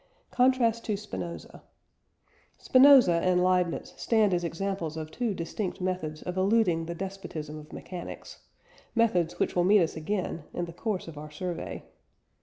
CONTRAST TO SPINOZA. Spinoza and Leibniz stand as examples of two distinct methods of eluding the despotism of mechanics methods which will meet us again in the course of our survey.